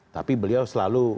tapi beliau selalu